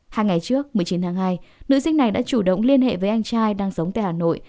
hai ngày trước một mươi chín tháng hai nữ sinh này đã chủ động liên hệ với anh trai đang sống tại hà nội